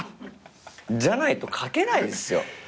じゃないと書けないですよ。